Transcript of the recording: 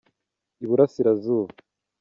iburasirazuba.